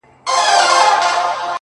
له مانه زړه مه وړه له ما سره خبرې وکړه!!